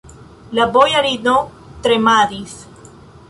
La bojarino tremadis.